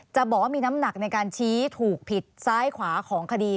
จะบอกว่ามีน้ำหนักในการชี้ถูกผิดซ้ายขวาของคดี